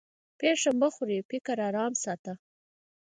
پېښه مه خورې؛ فکر ارام ساته.